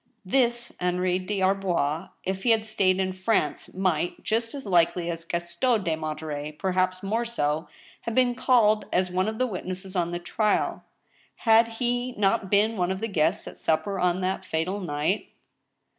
This Henri des Arbois, if he had stayed in France, might, just as likely as Gaston de Monterey — perhaps more so — ^have been called as one of the witnesses on the trial. Had he not been one of the guests at supper on that fatal night